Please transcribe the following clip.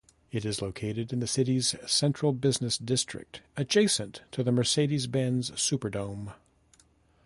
It is located in the city's Central Business District, adjacent to the Mercedes-Benz Superdome.